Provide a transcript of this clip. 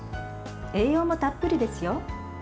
栄養もたっぷりですよ。